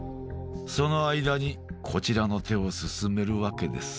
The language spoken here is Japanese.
その間にこちらの手を進めるわけです。